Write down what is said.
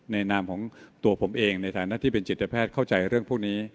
นามของตัวผมเองในฐานะที่เป็นจิตแพทย์เข้าใจเรื่องพวกนี้